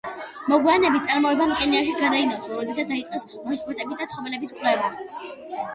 მოგვიანებით წარმოებამ კენიაში გადაინაცვლა, როდესაც დაიწყეს ლანდშაფტების და ცხოველების კვლევა.